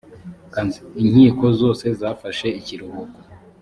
inkiko zose zafashe ikiruhuko